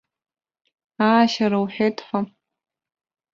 Аашьара уҳәеит ҳәа.